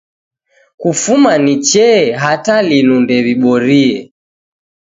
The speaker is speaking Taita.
Kufuma ni chee hata linu nde wibore